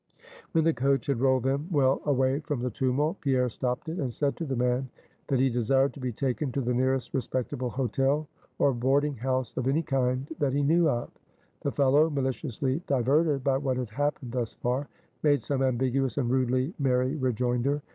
When the coach had rolled them well away from the tumult, Pierre stopped it, and said to the man, that he desired to be taken to the nearest respectable hotel or boarding house of any kind, that he knew of. The fellow maliciously diverted by what had happened thus far made some ambiguous and rudely merry rejoinder.